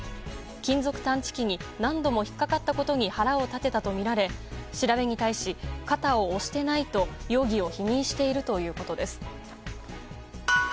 金属探知機に何度も引っかかったことに腹を立てたとみられ、調べに対し肩を押してないと容疑を否認しているということです。